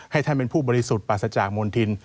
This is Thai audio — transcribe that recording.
ให้ท่านเป็นผู้บริสุทธิ์ปราศจากมณฑิน